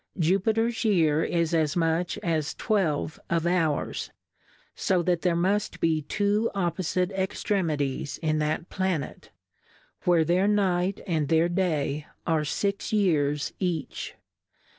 Jupiter's Year is as much as Twelve of ours, fo that there muft be two oppo fite Extremities in that Planet, where their Night and their Day are Six Years each.